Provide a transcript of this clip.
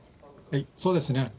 そうですね。